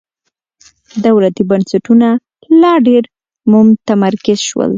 دولتي بنسټونه لا ډېر متمرکز شول.